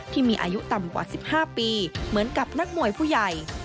ที่มีอายุต่ำกว่า๑๕ปีเหมือนกับนักมวยผู้ใหญ่